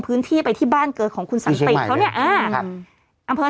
พื้นที่ไปที่บ้านเกิดของคุณสันติเขาเนี่ยอ่าครับอำเภอ